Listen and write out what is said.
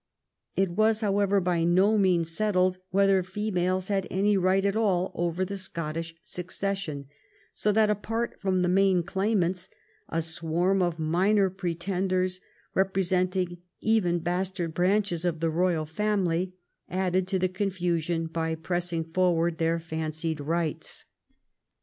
It was, however, by no means settled whether females had any right at all over the Scottish succession, so that, apart from the main claimants, a swarm of minor pretenders, repre senting even bastard branches of the royal family, added to the confusion by pressing forward their fancied rights.